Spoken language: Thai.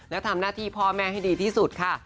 แล้วทำหน้าที่พ่อแม่ให้ดีที่สุดค่ะ